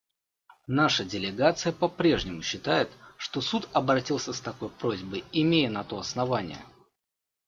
Наша делегация попрежнему считает, что Суд обратился с такой просьбой, имея на то основания.